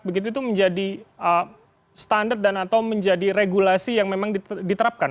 begitu itu menjadi standar dan atau menjadi regulasi yang memang diterapkan